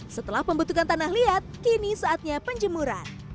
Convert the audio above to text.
setelah membutuhkan tanah liat kini saatnya penjemuran